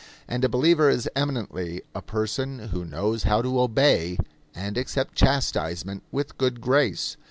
And a believer is eminently a person who knows how to obey and accept chastisement with good grace.